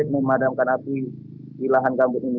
memadamkan api di lahan gambut ini